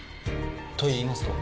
といいますと？